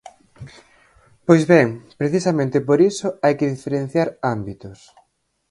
Pois ben, precisamente por iso hai que diferenciar ámbitos.